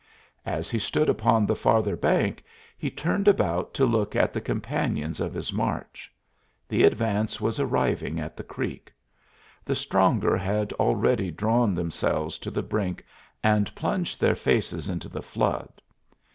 As he stood upon the farther bank he turned about to look at the companions of his march. The advance was arriving at the creek. The stronger had already drawn themselves to the brink and plunged their faces into the flood.